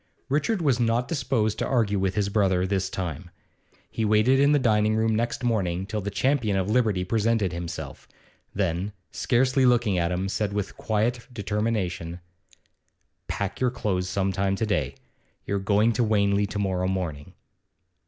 Richard was not disposed to argue with his brother this time. He waited in the dining room next morning till the champion of liberty presented himself; then, scarcely looking at him, said with quiet determination: 'Pack your clothes some time to day. You're going to Wanley to morrow morning.